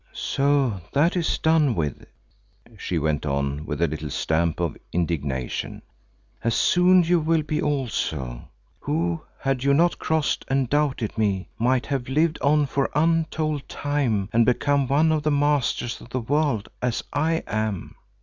"So that is done with," she went on with a little stamp of indignation, "as soon you will be also, who, had you not crossed and doubted me, might have lived on for untold time and become one of the masters of the world, as I am."